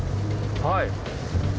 はい。